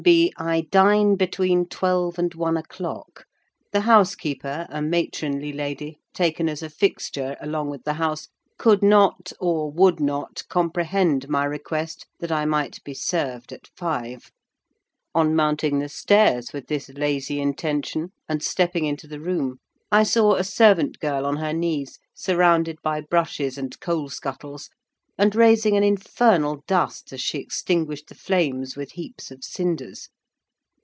B.—I dine between twelve and one o'clock; the housekeeper, a matronly lady, taken as a fixture along with the house, could not, or would not, comprehend my request that I might be served at five)—on mounting the stairs with this lazy intention, and stepping into the room, I saw a servant girl on her knees surrounded by brushes and coal scuttles, and raising an infernal dust as she extinguished the flames with heaps of cinders.